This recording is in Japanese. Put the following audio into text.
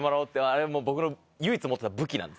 あれ僕の唯一持ってた武器なんですけど。